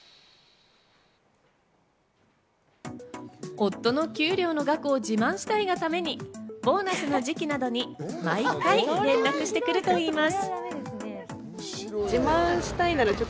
夫の給料の額を自慢したいがためにボーナスの時期などに毎回、連絡してくると言います。